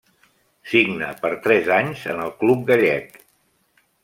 Signa per tres anys en el club gallec.